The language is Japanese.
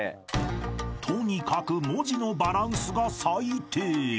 ［とにかく文字のバランスが最低］